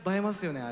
あれ。